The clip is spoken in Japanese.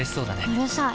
うるさい。